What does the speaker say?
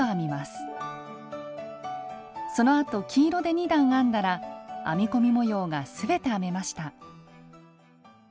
そのあと黄色で２段編んだら編み込み模様が全て編めました。